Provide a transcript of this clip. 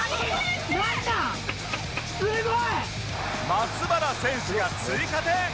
松原選手が追加点！